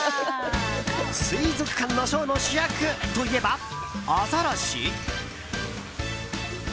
水族館ショーの主役といえばアザラシ？